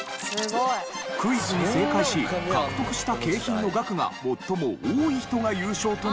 クイズに正解し獲得した景品の額が最も多い人が優勝となるルール。